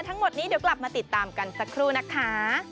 ทั้งหมดนี้เดี๋ยวกลับมาติดตามกันสักครู่นะคะ